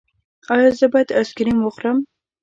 ایا زه باید آیسکریم وخورم؟